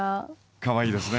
かわいいですね。